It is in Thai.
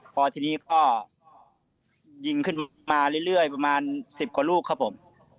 พอทีนี้ก็ยิงขึ้นมาเรื่อยประมาณ๑๐กว่าลูกครับผม